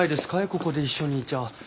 ここで一緒にいちゃ。